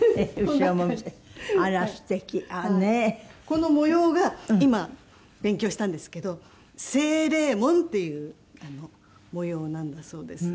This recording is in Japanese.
この模様が今勉強したんですけど清麗紋っていう模様なんだそうです。